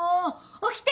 ・・起きて！